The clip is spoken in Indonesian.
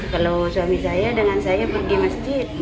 kalau suami saya dengan saya pergi masjid